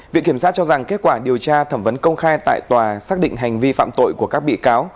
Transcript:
viện kiểm sát cho rằng kết quả điều tra thẩm vấn công khai tại tòa xác định hành vi phạm tội của các bị cáo